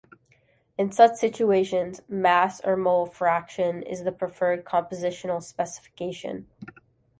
In such situations, mass or mole fraction is the preferred compositional specification.